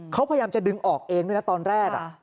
เขาพยายามจะดึงออกเองด้วยนะตอนแรก